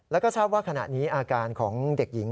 แล้วก็ทราบว่าขณะนี้อาการของเด็กหญิง